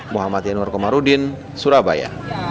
muhammad yanur komarudin surabaya